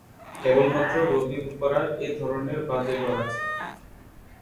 কেবলমাত্র রবি বোপারা’র এ ধরনের বাজে গড়ে আছে।